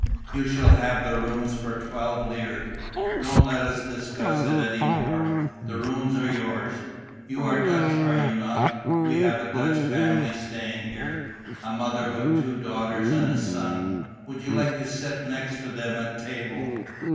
"You shall have the rooms for twelve lire. Don't let us discuss it any more. The rooms are yours. You are Dutch, are you not? We have a Dutch family staying here: a mother with two daughters and a son. Would you like to sit next to them at table?"